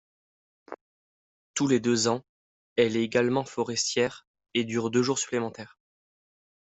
Tous les deux ans, elle est également forestière et dure deux jours supplémentaires.